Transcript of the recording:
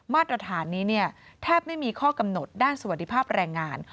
มาตรฐานนี้แทบไม่มีข้อกำหนดด้านสวัสดิภาพแรงงาน